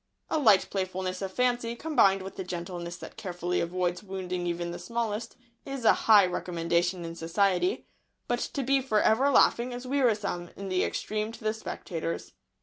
A light playfulness of fancy, combined with the gentleness that carefully avoids wounding even the smallest, is a high recommendation in society; but to be for ever laughing is wearisome in the extreme to the spectators.